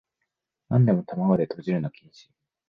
なんでも玉子でとじるの禁止